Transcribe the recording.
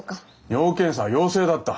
尿検査は陽性だった。